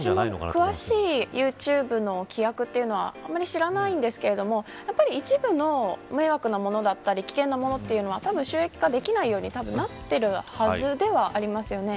詳しいユーチューブの規約を知らないんですけど一部の迷惑なものだったり危険なものは収益化できないようになっているはずではありますよね。